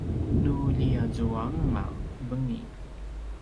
nu ljiazuanga vengin